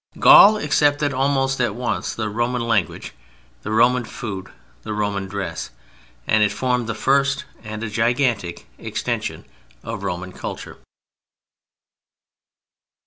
Gaul accepted almost at once the Roman language, the Roman food, the Roman dress, and it formed the first—and a gigantic—extension of European culture.